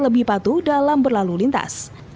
lebih patuh dalam berlalu lintas